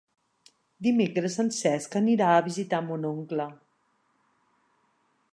Dimecres en Cesc anirà a visitar mon oncle.